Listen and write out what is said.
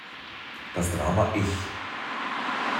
Das Drama "Ich!